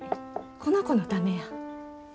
この子のためや。